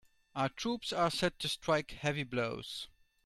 Our troops are set to strike heavy blows.